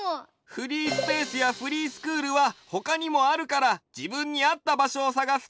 フリースペースやフリースクールはほかにもあるからじぶんにあったばしょをさがすといいよ。